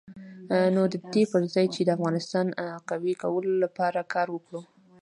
نو د دې پر ځای چې د افغانستان قوي کولو لپاره کار وکړو.